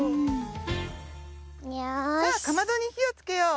さあかまどにひをつけよう。